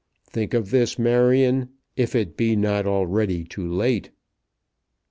Think of this, Marion, if it be not already too late."